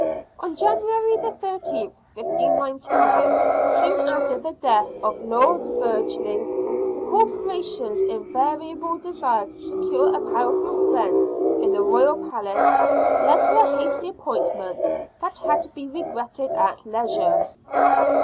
On January 13th, 1599, soon after the death of Lord Burghley, the Corporation's in variable desire to secure a powerful friend in the Ro5''al Palace led to a hasty appointment that had to be regretted at leisure.